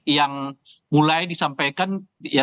yang mulai disampaikan